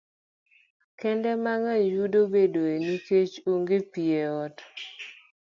Kinde mang'eny, yugi bedoe nikech onge pi e ot.